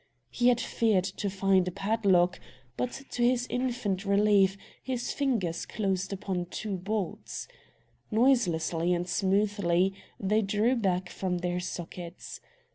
He had feared to find a padlock, but, to his infinite relief, his fingers closed upon two bolts. Noiselessly, and smoothly, they drew back from their sockets.